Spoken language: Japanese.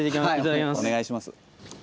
はいお願いします。